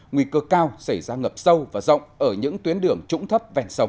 nguy cơ cao sẽ ra ngập sâu và rộng ở những tuyến đường trũng thấp vèn sông